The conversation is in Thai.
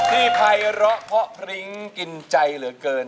ที่ไภร้อเพลิงกินใจเหลือเกิน